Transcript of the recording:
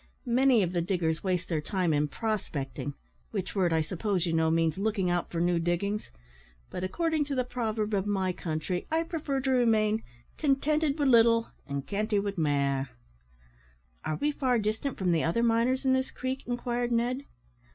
Many of the diggers waste their time in prospecting, which word, I suppose you know, means looking out for new diggings; but, according to the proverb of my country, I prefer to remain `contented wi' little, and cantie wi' mair.'" "Are we far distant from the other miners in this creek?" inquired Ned.